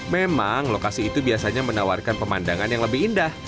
memang lokasi itu biasanya menawarkan pemandangan yang lebih indah